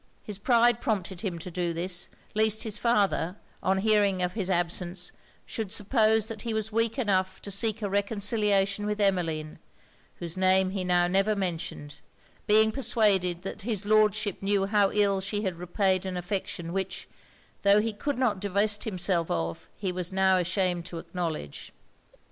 His pride prompted him to do this; least his father, on hearing of his absence, should suppose that he was weak enough to seek a reconciliation with Emmeline, whose name he now never mentioned, being persuaded that his Lordship knew how ill she had repaid an affection, which, tho' he could not divest himself of, he was now ashamed to acknowledge.